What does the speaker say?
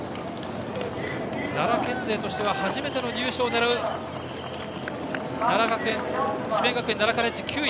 奈良県勢としては初めての入賞を狙う智弁学園奈良カレッジ、９位。